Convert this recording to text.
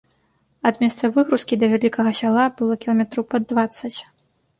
Ад месца выгрузкі да вялікага сяла было кіламетраў пад дваццаць.